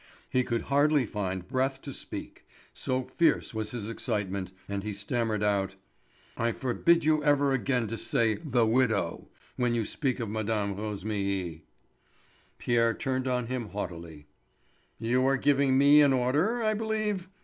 He could hardly find breath to speak, so fierce was his excitement, and he stammered out: "I forbid you ever again to say 'the widow' when you speak of Mme. Rosémilly." Pierre turned on him haughtily: "You are giving me an order, I believe.